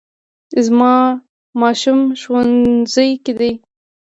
زما ماشوم ښوونځي کې دی